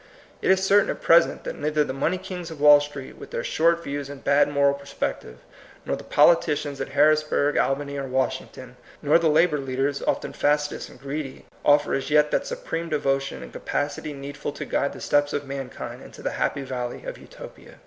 It is certain at present that neither the money kings of Wall Street, with their shoi*t views and bad moral perspective, nor the politicians at Harrisburg, Albany, or Wash ington, vain and ambitious, nor the labor leaders, often factious and greedy, offer as yet that supreme devotion and capacity needful to guide the steps of mankind into the happy valley of Utopia.